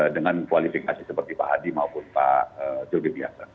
dengan kualifikasi seperti pak hadi maupun pak jurgid biasa